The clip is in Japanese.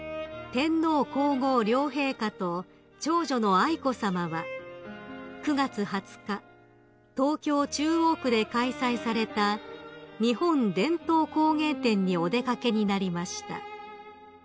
［天皇皇后両陛下と長女の愛子さまは９月２０日東京中央区で開催された日本伝統工芸展にお出掛けになりました］